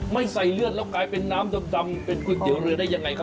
ไม่ใส่เลือดแล้วกลายเป็นน้ำดำเป็นก๋วยเตี๋ยวเรือได้ยังไงครับ